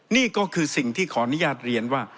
นี่ก็คือสิ่งที่ขออนุญาตเรียนว่า